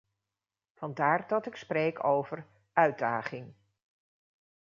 Vandaar dat ik spreek over "uitdaging".